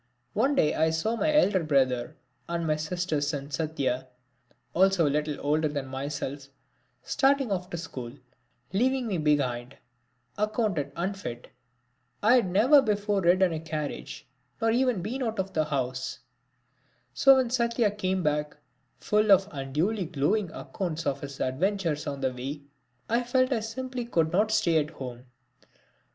One day I saw my elder brother, and my sister's son Satya, also a little older than myself, starting off to school, leaving me behind, accounted unfit. I had never before ridden in a carriage nor even been out of the house. So when Satya came back, full of unduly glowing accounts of his adventures on the way, I felt I simply could not stay at home.